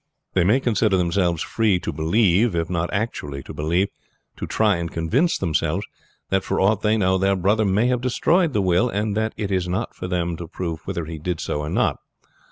"They may consider themselves free to believe, or if not actually to believe, to try and convince themselves, that for aught they know their brother may have destroyed the will, and that it is not for them to prove whether he did so or not.